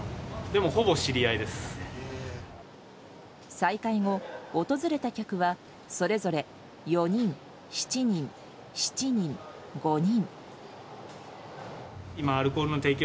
再開後、訪れた客はそれぞれ４人、７人、７人、５人。